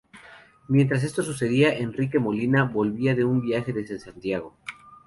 Mientras esto sucedía, Enrique Molina, volvía de un viaje desde Santiago.